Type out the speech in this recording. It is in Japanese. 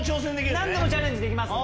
何度もチャレンジできます。